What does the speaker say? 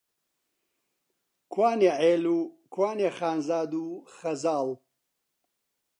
کوانێ عێل و، کوانێ خانزاد و خەزاڵ؟!